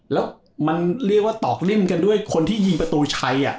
แล้วมันเรียกว่าตอกเล่นกันด้วยคนที่ยิงประตูชัย